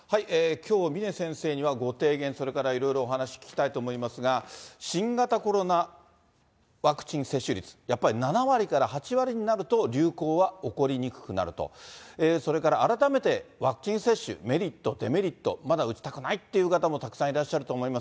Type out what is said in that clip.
きょう峰先生には、ご提言、それからいろいろお話聞きたいと思いますが、新型コロナワクチン接種率、やっぱり７割から８割になると、流行は起こりにくくなると、それから改めてワクチン接種、メリット、デメリット、まだ打ちたくないっていう方もたくさんいらっしゃると思います。